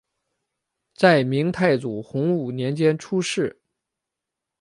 在明太祖洪武年间出仕。